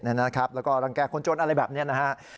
แล้วก็รังกายคนโจรอะไรแบบนี้นะฮะ